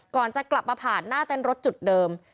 ก่อนจะกลับมาผ่านหน้าเต้นรถจุดเดิม